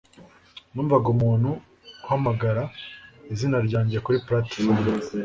Numvaga umuntu uhamagara izina ryanjye kuri platifomu